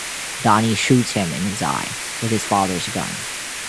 Donnie shoots him in his eye with his father's gun.